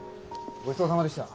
ごちそうさまでした。